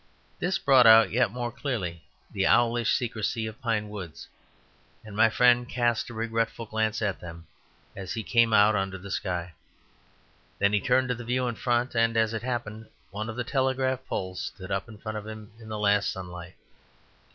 This brought out yet more clearly the owlish secrecy of pine woods; and my friend cast a regretful glance at them as he came out under the sky. Then he turned to the view in front; and, as it happened, one of the telegraph posts stood up in front of him in the last sunlight.